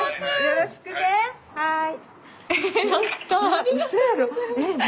よろしくねはい。